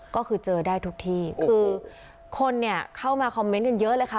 ก็คือเจอได้ทุกที่คือคนเนี่ยเข้ามาคอมเมนต์กันเยอะเลยค่ะ